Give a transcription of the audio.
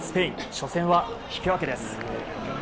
初戦は引き分けです。